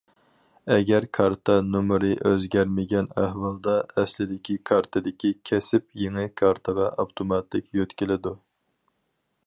ئەگەر كارتا نومۇرى ئۆزگەرمىگەن ئەھۋالدا ئەسلىدىكى كارتىدىكى كەسىپ يېڭى كارتىغا ئاپتوماتىك يۆتكىلىدۇ.